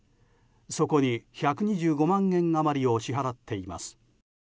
そこに１２５万円余りを支払っています。